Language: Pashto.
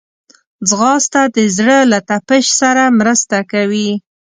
ځغاسته د زړه له تپش سره مرسته کوي